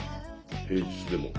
平日でも。